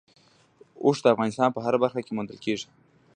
اوښ د افغانستان په هره برخه کې موندل کېږي.